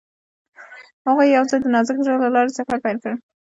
هغوی یوځای د نازک زړه له لارې سفر پیل کړ.